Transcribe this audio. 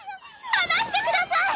放してください！